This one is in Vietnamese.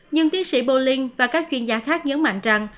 nhưng tiến sĩ boling và các chuyên gia khác nhấn mạnh rằng